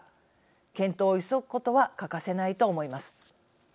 検討を急ぐことは欠かせないと思います。